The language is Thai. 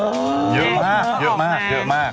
เยอะมากเยอะมากเยอะมาก